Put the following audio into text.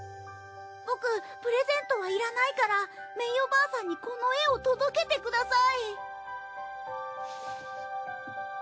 僕プレゼントはいらないからメイおばあさんにこの絵を届けてください。